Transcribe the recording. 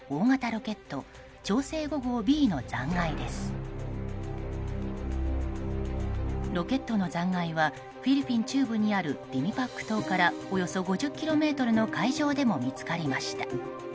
ロケットの残骸はフィリピン中部にあるディミパック島からおよそ５０ｋｍの海上でも見つかりました。